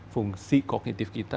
fungsi kognitif kita